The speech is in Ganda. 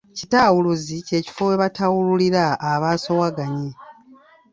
Kitawuluzi kyekifo we batawululira abasoowaganye.